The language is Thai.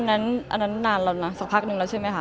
อันนั้นนานแล้วนะสักพักนึงแล้วใช่ไหมคะ